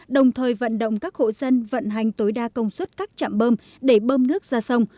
đồng thời vận động các hộ dân vận hành tối đa công suất các chạm bơm để bơm nước ra sông